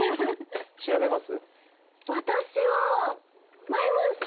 調べます？